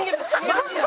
マジや！」